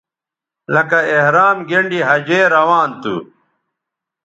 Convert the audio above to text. لکہ احرام گینڈی حجے روان تھو